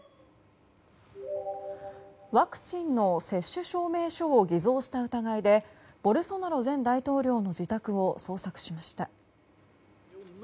ワクチンの接種証明書を偽造した疑いでボルソナロ前大統領の自宅を捜索しました。